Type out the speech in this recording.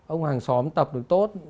ông hàng xóm tập được tốt